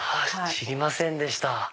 知りませんでした。